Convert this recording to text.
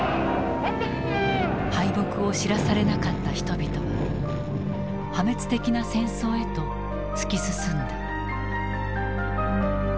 敗北を知らされなかった人々は破滅的な戦争へと突き進んだ。